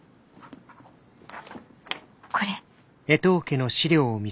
これ。